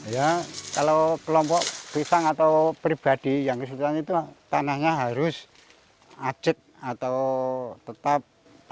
ya kalau kelompok pisang atau pribadi yang kesulitan itu tanahnya harus acik atau tetap